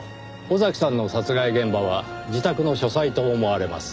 尾崎さんの殺害現場は自宅の書斎と思われます。